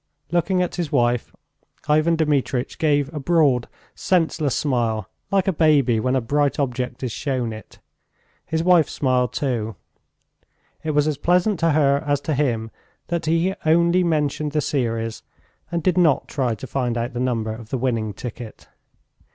Looking at his wife, Ivan Dmitritch gave a broad, senseless smile, like a baby when a bright object is shown it. His wife smiled too; it was as pleasant to her as to him that he only mentioned the series, and did not try to find out the number of the winning ticket.